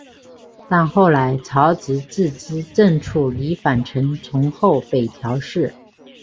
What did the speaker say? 但后来朝直自资正处离反臣从后北条氏。